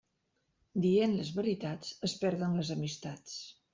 Dient les veritats es perden les amistats.